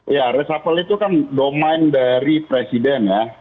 ya reshuffle itu kan domain dari presiden ya